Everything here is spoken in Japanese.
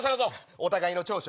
お互いの長所？